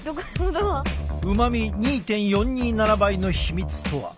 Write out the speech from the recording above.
うまみ２．４２７倍の秘密とは？